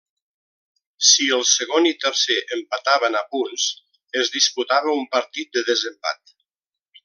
Si el segon i tercer empataven a punts es disputava un partit de desempat.